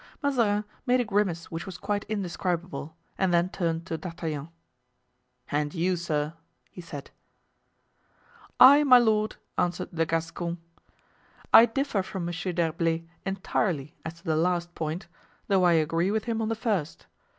Mazarin made a grimace which was quite indescribable, and then turned to D'Artagnan. "And you, sir?" he said. "I, my lord," answered the Gascon, "I differ from Monsieur d'Herblay entirely as to the last point, though I agree with him on the first.